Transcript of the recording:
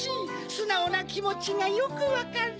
すなおなきもちがよくわかる！